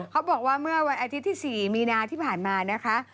เขาบอกว่าเมื่อวันอาทิตย์ที่๔มีนาที่ผ่านมานะคะ